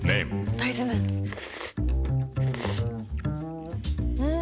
大豆麺ん？